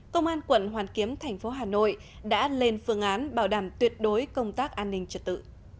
công an quận hoàn kiếm thành phố hà nội đã lên phương án bảo đảm tuyệt đối công tác an ninh trật tự